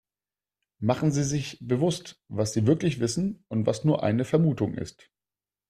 Machen Sie sich bewusst, was sie wirklich wissen und was nur eine Vermutung ist.